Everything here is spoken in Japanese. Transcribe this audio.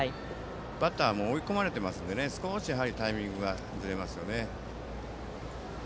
バッターも追い込まれているので少しタイミングがずれましたね。